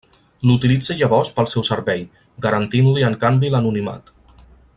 L'utilitza llavors pel seu servei, garantint-li en canvi l'anonimat.